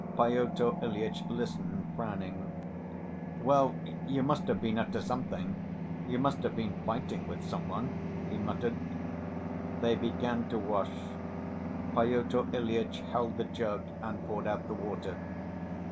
Pyotr Ilyitch listened, frowning. "Well, you must have been up to something; you must have been fighting with some one," he muttered. They began to wash. Pyotr Ilyitch held the jug and poured out the water.